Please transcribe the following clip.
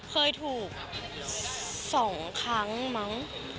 เคยถูก๒ครั้งมั้ง